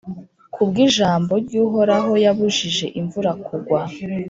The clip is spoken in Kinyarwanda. Ku bw’ijambo ry’Uhoraho yabujije imvura kugwa,